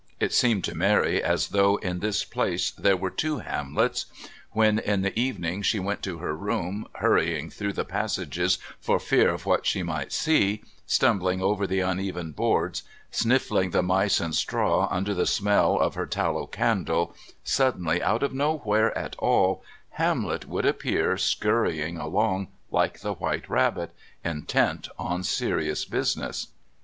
It seemed to Mary as though in this place there were two Hamlets. When, in the evening she went to her room, hurrying through the passages for fear of what she might see, stumbling over the uneven boards, sniffling the mice and straw under the smell of her tallow candle, suddenly out of nowhere at all Hamlet would appear scurrying along, like the White Rabbit, intent on serious business.